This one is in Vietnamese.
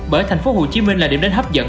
bởi tp hcm là điểm đánh hấp dẫn